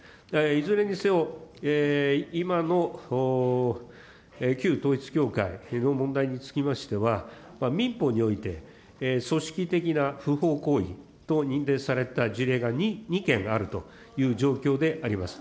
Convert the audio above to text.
いずれにせよ、今の旧統一教会の問題につきましては、民法において、組織的な不法行為等に認定された事例が２件あるという状況であります。